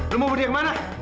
lo mau berdia kemana